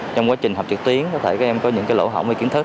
trong quá trình học trực tuyến có thể các em có những lỗ hỏng hay kiến thức